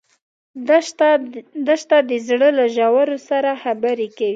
دښته د زړه له ژورو سره خبرې کوي.